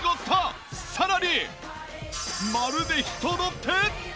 さらに。